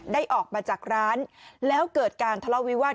ออกมาจากร้านแล้วเกิดการทะเลาวิวาส